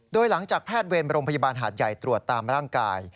โดยหลังจากแพทย์เวรโรงพยาบาลหาดใหญ่ตรวจตามร่างกาย